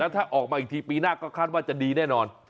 ถ้าออกมาอีกทีปีหน้าก็คาดว่าจะดีแน่นอน